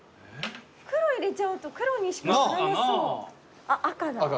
黒入れちゃうと黒にしかならなそう。